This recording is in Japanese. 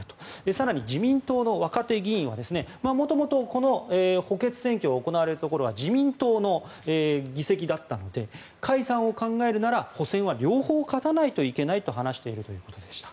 更に、自民党の若手議員はもともと補欠選挙が行われるところは自民党の議席だったので解散を考えるなら補選は両方勝たないといけないと話しているということでした。